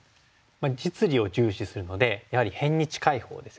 実利を重視するのでやはり辺に近いほうですよね。